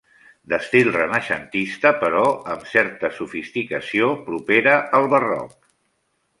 D'estil renaixentista però amb certa sofisticació propera al barroc.